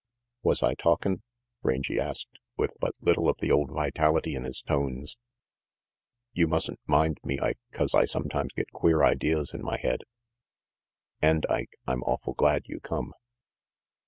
"Was I talkin'?" Rangy asked, with but little of the old vitality in his tones. "You mustn't mind me, Ike, 'cause I sometimes get queer ideas in my head. And, Ike, I'm awful glad you come."